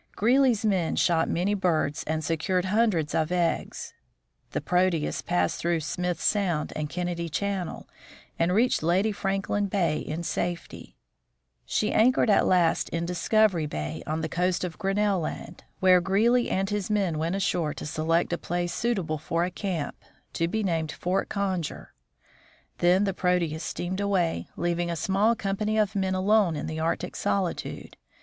Greely's men shot many birds and secured hundreds of eggs. The Proteus passed through Smith sound and Kennedy channel, and reached Lady Franklin bay in safety. She GREELY IN GRINNELL LAND 83 anchored at last in Discovery bay, on the coast of Grinnell land, where Greely and his men went ashore to select a place suitable for a camp, to be named Fort Conger. Then the Proteus steamed away, leaving a small company of men alone in the Arctic solitude.